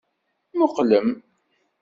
Muqqlem!